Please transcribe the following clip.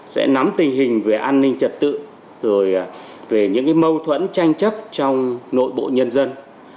sẽ nắm tình hình về an ninh trật tự về những mâu thuẫn tranh chấp trong nội bộ nhân dân